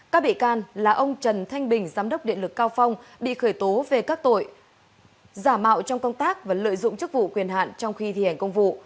các bị can là ông trần thanh bình giám đốc điện lực cao phong bị khởi tố về các tội giả mạo trong công tác và lợi dụng chức vụ quyền hạn trong khi thi hành công vụ